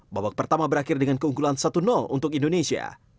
babak pertama berakhir dengan keunggulan satu untuk indonesia